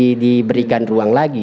mereka tidak diberikan ruang lagi